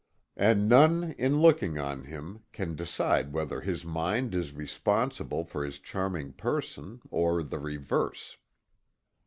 And none in looking on him can decide whether his mind is responsible for his charming person, or the reverse.